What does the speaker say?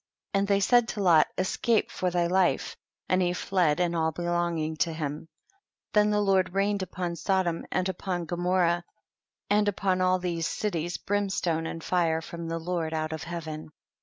50. And they said to Lot, escape for thy life, and he fled and all be longing to him. 51. Then the Lord rained upon Sodom and upon Gomorrah and up on all these cities brimstone and fire from the Lord out of heaven.